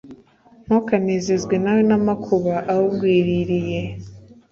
ntukanezezwe nawe n’amakuba awugwiririye,